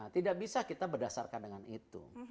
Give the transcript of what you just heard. tidak bisa kita berdasarkan dengan itu